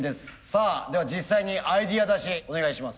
さあでは実際にアイデア出しお願いします。